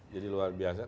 jadi luar biasa